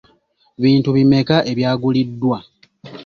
Bintu bimeka ebyaguliddwa?